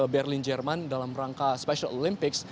berlin jerman dalam rangka special olympics